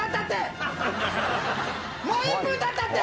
もう１分たったって！